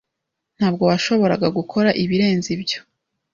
Ntabwo washoboraga gukora ibirenze ibyo.